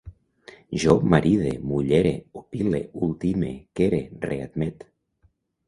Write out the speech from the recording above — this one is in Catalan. Jo maride, mullere, opile, ultime, quere, readmet